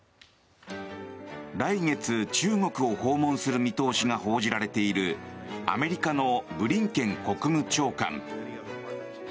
来月、中国を訪問する見通しが報じられているアメリカのブリンケン国務長官。